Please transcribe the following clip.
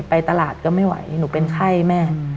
ไปตลาดก็ไม่ไหวหนูเป็นไข้แม่